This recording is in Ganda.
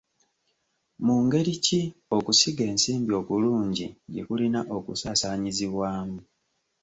Mu ngeri ki okusiga ensimbi okulungi gye kulina okusaasaanyizibwamu?